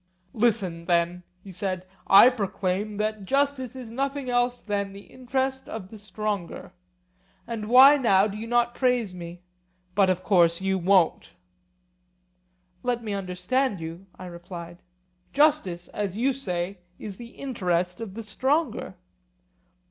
Listen, then, he said; I proclaim that justice is nothing else than the interest of the stronger. And now why do you not praise me? But of course you won't. Let me first understand you, I replied. Justice, as you say, is the interest of the stronger.